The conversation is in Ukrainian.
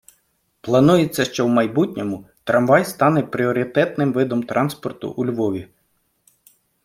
Планується, що в майбутньому трамвай стане пріоритетним видом транспорту у Львові.